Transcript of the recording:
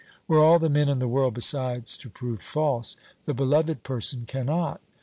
Were all the men in the world besides to prove false, the beloved person cannot.